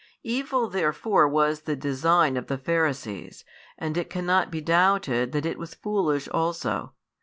Evil therefore was the design of the Pharisees, and it cannot be doubted that it was foolish also.